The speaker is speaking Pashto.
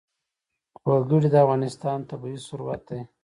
وګړي د افغانستان طبعي ثروت دی.